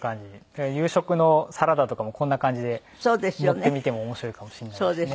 夕食のサラダとかもこんな感じで盛ってみても面白いかもしれないですね。